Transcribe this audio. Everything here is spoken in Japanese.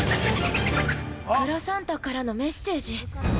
◆グラサンタからのメッセージ。